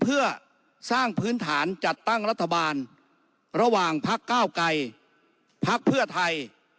เพื่อสร้างพื้นฐานจัดตั้งรัฐบาลระหว่างพักก้าวไกรพักเพื่อไทย